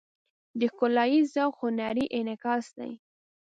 د ښکلاییز ذوق هنري انعکاس دی.